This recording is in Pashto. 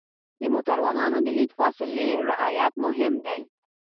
د موټروان د لید فاصلې رعایت مهم دی.